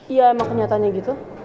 iya emang kenyataannya gitu